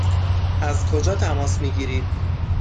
از کجا تماس می گیرید؟